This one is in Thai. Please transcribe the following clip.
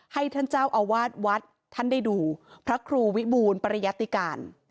ให้ท่านเจ้าอาวาสวัดท่านได้ดูพระครูวิบูรณปริยติการ